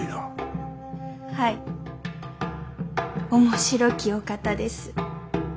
はい面白きお方です。